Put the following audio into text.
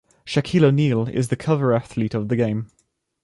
Shaquille O'Neal is the cover athlete of the game.